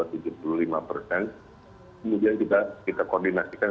kemudian kita koordinasikan